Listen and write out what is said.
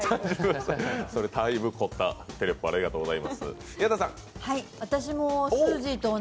だいぶ凝ったフリップありがとうございます。